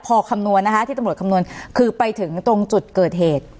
พอคำนวณนะคะที่ตำรวจคำนวณคือไปถึงตรงจุดเกิดเหตุ